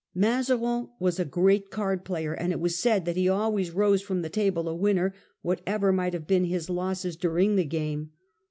Mazarin was a great card player, and it was said that he always rose from the table a winner, whatever might have been his losses during the game.